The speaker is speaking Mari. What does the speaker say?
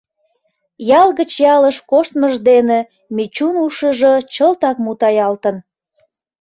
Ял гыч ялыш коштмыж дене Мичун ушыжо чылтак мутаялтын.